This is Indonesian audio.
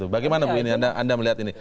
bagaimana bu ini anda melihat ini